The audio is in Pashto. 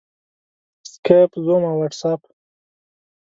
سکایپ، زوم او واټساپ